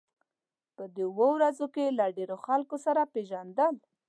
په دې اوو ورځو کې له ډېرو خلکو سره پېژندل.